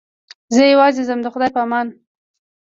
زه یوازې ځم د خدای په امان.